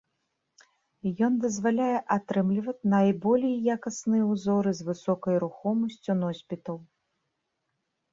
Ён дазваляе атрымліваць найболей якасныя ўзоры з высокай рухомасцю носьбітаў.